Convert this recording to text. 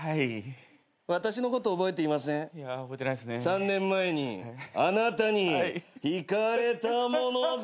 ３年前にあなたにひかれた者です。